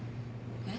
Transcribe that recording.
えっ。